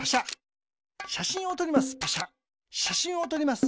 しゃしんをとります。